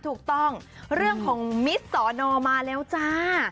ถูกต้องเรื่องของมิสสอนอมาแล้วจ้า